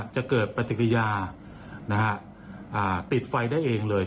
จะเกิดปฏิกิจรองกรรมจะติดไฟได้นานเลย